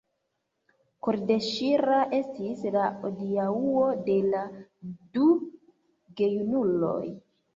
Kordeŝira estis la adiaŭo de la du gejunuloj.